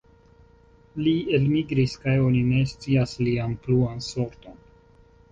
Li elmigris kaj oni ne scias lian pluan sorton.